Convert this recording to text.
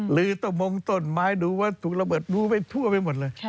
หรือต้องมองต้นหมายดูว่าถูกระเบิดดูไปทั่วไปหมดเลย